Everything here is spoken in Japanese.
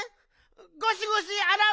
ゴシゴシあらう！